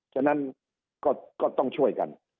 ฉะนั้นก็ต้องช่วยกัน